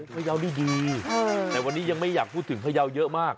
พยาวนี่ดีแต่วันนี้ยังไม่อยากพูดถึงพยาวเยอะมาก